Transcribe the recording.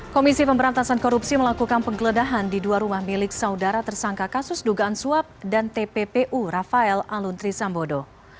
komisi pemberantasan korupsi melakukan penggeledahan di dua rumah milik saudara tersangka kasus dugaan suap dan tppu rafael aluntri sambodo